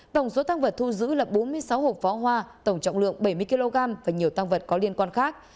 tổng số tăng vật thu giữ là bốn mươi sáu hộp pháo hoa tổng trọng lượng bảy mươi kg và nhiều tăng vật có liên quan khác